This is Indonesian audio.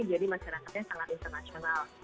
jadi masyarakatnya sangat internasional